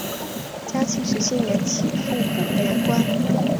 嘉庆十七年起复补原官。